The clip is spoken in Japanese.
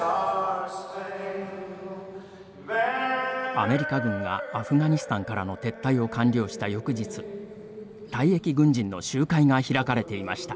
アメリカ軍がアフガニスタンからの撤退を完了した翌日退役軍人の集会が開かれていました。